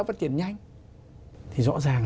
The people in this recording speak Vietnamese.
phát triển nhanh thì rõ ràng